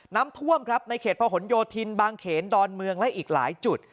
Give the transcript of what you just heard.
น้ำท่วมครับในเขตพหนโยธินบางเขนดอนเมืองและอีกหลายจุด